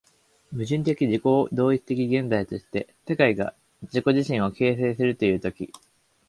矛盾的自己同一的現在として、世界が自己自身を形成するという時、